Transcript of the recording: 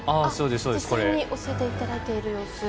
実際に教えていただいている様子。